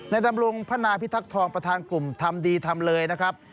ดำรงพนาพิทักษ์ทองประธานกลุ่มทำดีทำเลยนะครับ